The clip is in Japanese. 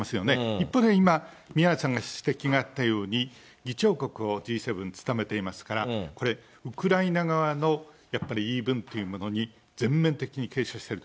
一方で、今、宮根さんから指摘があったように、議長国をＧ７、務めていますから、これ、ウクライナ側のやっぱり言い分というものに全面的に傾斜してる。